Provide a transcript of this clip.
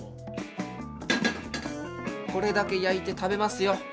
これだけ焼いて食べますよ。